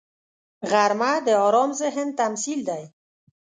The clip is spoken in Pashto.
غرمه د آرام ذهن تمثیل دی